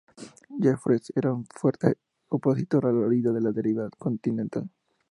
Jeffreys era un fuerte opositor a la idea de la deriva continental.